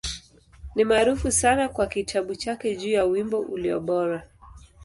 Ni maarufu hasa kwa kitabu chake juu ya Wimbo Ulio Bora.